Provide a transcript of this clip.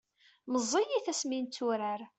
meẓẓiyit asmi netturar